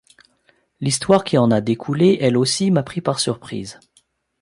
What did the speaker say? L’histoire qui en a découlé, elle aussi, m’a pris par surprise.